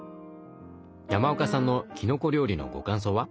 山岡さんのきのこ料理のご感想は？